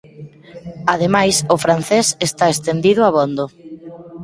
Ademais o francés está estendido abondo.